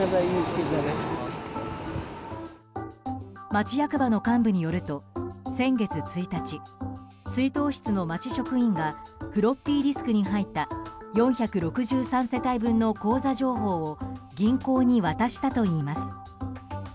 町役場の幹部によると先月１日出納室の町職員がフロッピーディスクに入った４６３世帯分の口座情報を銀行に渡したといいます。